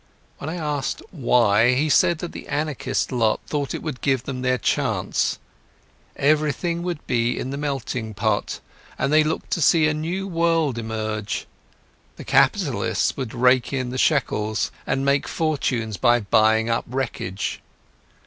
When I asked why, he said that the anarchist lot thought it would give them their chance. Everything would be in the melting pot, and they looked to see a new world emerge. The capitalists would rake in the shekels, and make fortunes by buying up wreckage.